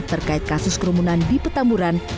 terkait kasus kerumunan di petamburan